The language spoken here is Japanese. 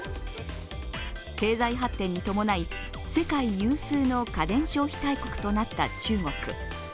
経済発展に伴い、世界有数の家電消費大国となった中国。